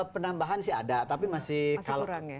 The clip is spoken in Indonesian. penambahan sih ada tapi masih kurang ya